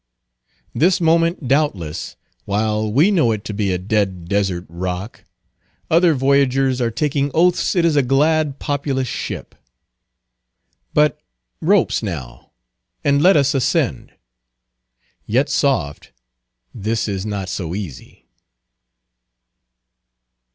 This moment, doubtless, while we know it to be a dead desert rock other voyagers are taking oaths it is a glad populous ship. But ropes now, and let us ascend. Yet soft, this is not so easy.